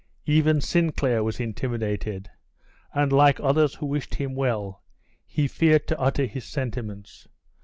Even Sinclair was intimidated, and like others who wished him well, he feared to utter his sentiments.